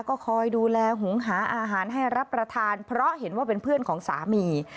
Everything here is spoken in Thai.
ก็คอยดูแลหุงหาอาหารให้รับประทานเพราะเห็นว่าเป็นเพื่อนของสามี